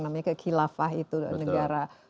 namanya kekilafah itu negara